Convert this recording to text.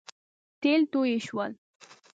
تېل توی شول